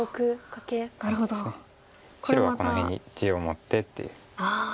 白はこの辺に地を持ってっていう。